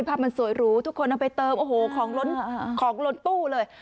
ภาพมันสวยหรูทุกคนเอาไปเติมโอ้โหของล้นของล้นตู้เลย